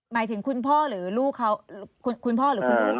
หมายถึงคุณพ่อหรือลูกเขา